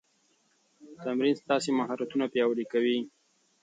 تمرین ستاسو مهارتونه پیاوړي کوي.